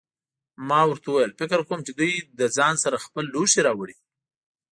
ما ورته وویل: فکر کوم چې دوی له ځان سره خپل لوښي راوړي.